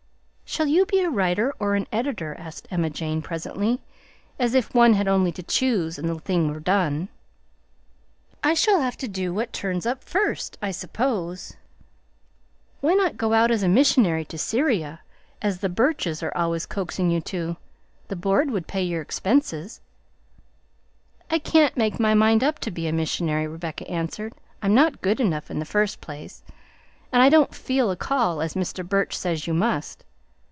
"Shall you be a writer or an editor?" asked Emma Jane presently, as if one had only to choose and the thing were done. "I shall have to do what turns up first, I suppose." "Why not go out as a missionary to Syria, as the Burches are always coaxing you to? The Board would pay your expenses." "I can't make up my mind to be a missionary," Rebecca answered. "I'm not good enough in the first place, and I don't 'feel a call,' as Mr. Burch says you must.